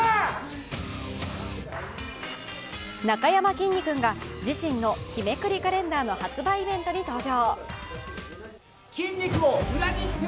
なかやまきんに君が自身の日めくりカレンダーの発売イベントに登場。